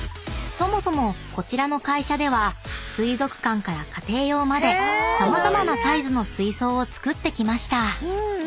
［そもそもこちらの会社では水族館から家庭用まで様々なサイズの水槽を作ってきました］